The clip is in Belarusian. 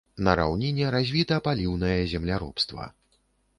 На раўніне развіта паліўнае земляробства.